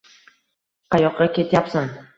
Qayoqqa ketyapsan?